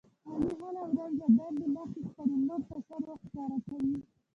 علي هره ورځ له دندې مخکې خپلې مورته سر ورښکاره کوي.